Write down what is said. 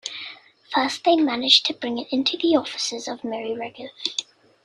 First, they managed to bring it into the offices of Miri Regev.